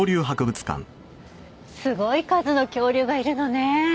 すごい数の恐竜がいるのね。